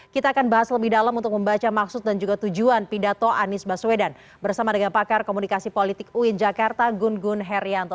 kita akan bahas lebih dalam untuk membaca maksud dan juga tujuan pidato anies baswedan bersama dengan pakar komunikasi politik uin jakarta gun gun herianto